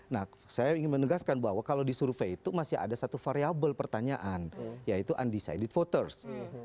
nah saya ingin menegaskan bahwa kalau di survei itu masih ada satu variable pertanyaan yaitu undecided voters